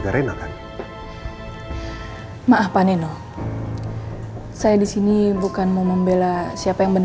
wangi ya kalau saya merasa wangi ya kalau saya merasa wangi ya kalau saya merasa wangi ya kalau saya menanggung